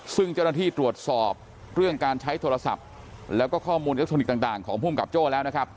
ซึ่งเจ้าหน้าที่ตรวจสอบเรื่องการใช้โทรศัพท์แล้วก็ข้อมูลอิเล็กทรอนิกส์ต่างของภูมิกับโจ้แล้วนะครับ